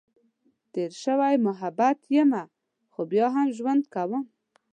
تېر شوی محبت یمه، خو بیا هم ژوند کؤم.